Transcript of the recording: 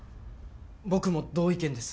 僕も同意見です。